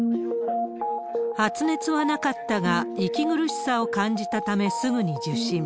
発熱はなかったが、息苦しさを感じたため、すぐに受診。